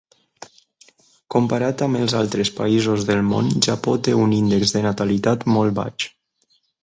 Comparat amb els altres països del món, Japó té un índex de natalitat molt baix.